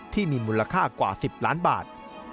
ที่มีมูลค่ากว่า๑๐ล้านบาท